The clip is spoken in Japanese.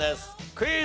クイズ。